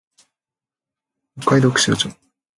北海道釧路町